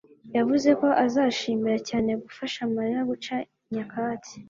yavuze ko azishimira cyane gufasha Mariya guca nyakatsi